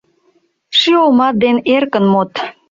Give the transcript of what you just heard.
Ший олмат ден эркын мод.